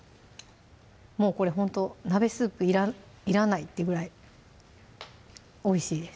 もうこれほんと鍋スープいらないってぐらいおいしいです